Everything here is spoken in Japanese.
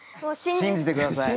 信じてください。